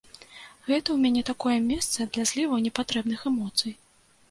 Гэта ў мяне такое месца для зліву непатрэбных эмоцый.